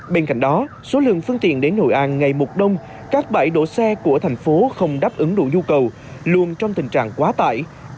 bên cạnh đó số lượng phương tiện đến hội an ngày một đông các bãi đổ xe của thành phố không đáp ứng đủ nhu cầu luôn trong tình trạng quá tải